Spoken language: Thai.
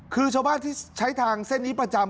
คือชาวบ้านที่ใช้ทางเส้นนี้ประจำ